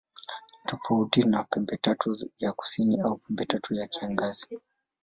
Ni tofauti na Pembetatu ya Kusini au Pembetatu ya Kiangazi.